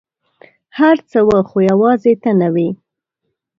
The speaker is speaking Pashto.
هر څه وه ، خو یوازي ته نه وې !